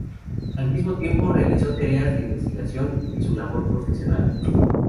Al mismo tiempo realizó sus tareas de investigación y su labor profesional.